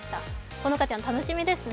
好花ちゃん楽しみですね。